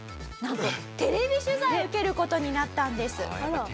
なんとテレビ取材を受ける事になったんです。